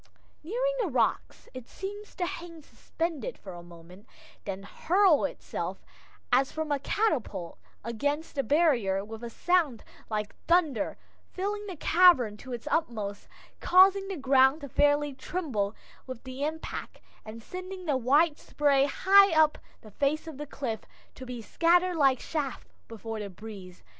Nearing the rocks, it seems to hang suspended for a moment, then hurls itself as from a catapult against the barrier with a sound like thunder, filling the cavern to its utmost, causing the ground to fairly tremble with the impact, and sending the white spray high up the face of the cliff, to be scattered like chaff before the breeze.